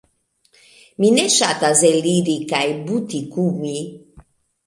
Mi ne ŝatas eliri kaj butikumi